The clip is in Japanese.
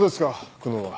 久能は。